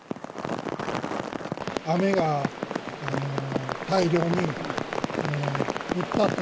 雨が大量に降ったと。